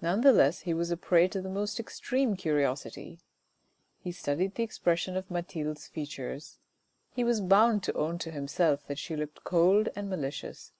None the less he was a prey to the most extreme curiosity; he studied the expression of Mathilde's features; he was bound to own to himself that she looked cold and malicious.